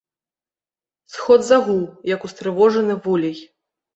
Сход загуў, як устрывожаны вулей.